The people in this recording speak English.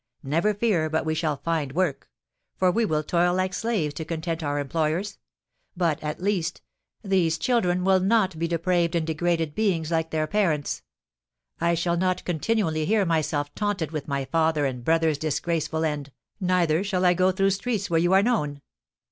Never fear but we shall find work; for we will toil like slaves to content our employers; but, at least, these children will not be depraved and degraded beings like their parents. I shall not continually hear myself taunted with my father and brother's disgraceful end, neither shall I go through streets where you are known.